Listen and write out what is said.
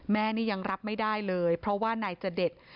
แม่นี่ยังรับไม่ได้เลยเพราะว่านายจเดช